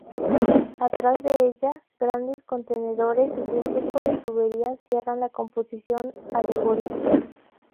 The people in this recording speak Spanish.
Atrás de ella, grandes contenedores cilíndricos y tuberías cierran la composición alegórica.